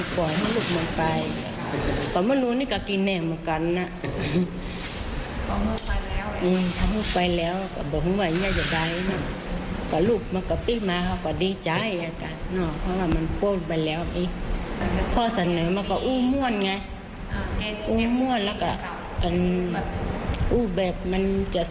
กูมั่วละกับกูแบบมันจะส่งเหยียนอีกอันล่ะกัน